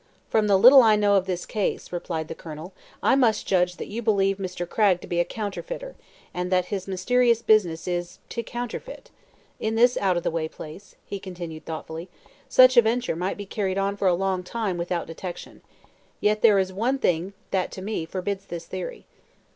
"From the little I know of this case," replied the Colonel, "I must judge that you believe Mr. Cragg to be a counterfeiter, and that his mysterious business is to counterfeit. In this out of the way place," he continued, thoughtfully, "such a venture might be carried on for a long time without detection. Yet there is one thing that to me forbids this theory."